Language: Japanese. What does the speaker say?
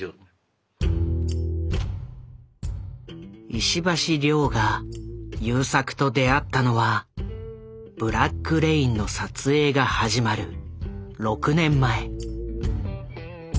石橋凌が優作と出会ったのは「ブラック・レイン」の撮影が始まる６年前。